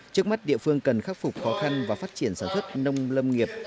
trước mắt địa phương cần khắc phục khó khăn và phát triển sản xuất nông lâm nghiệp